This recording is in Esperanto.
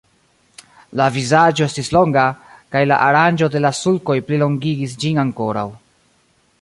La vizaĝo estis longa, kaj la aranĝo de la sulkoj plilongigis ĝin ankoraŭ.